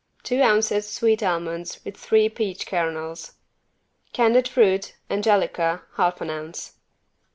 Two ounces sweet almonds with three peach kernels. Candied fruit (angelica) half an ounce.